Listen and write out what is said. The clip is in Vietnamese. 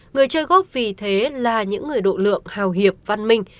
người chơi gốc vì thế là những người độ lượng hào hiệp văn minh